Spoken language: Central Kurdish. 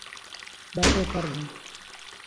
با تێپەڕبم.